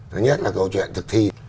thứ nhất là câu chuyện thực thi